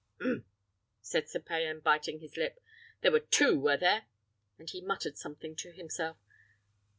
"Umph!" said Sir Payan, biting his lip; "there were two, were there?" And he muttered something to himself.